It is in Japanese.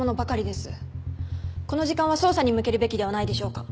この時間は捜査に向けるべきではないでしょうか。